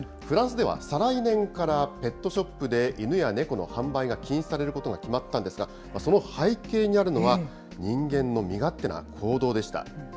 フランスでは再来年からペットショップで、犬や猫の販売が禁止されることが決まったんですが、その背景にあるのは、人間の身勝手な行動でした。